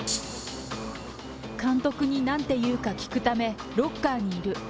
監督になんて言うか聞くため、ロッカーにいる。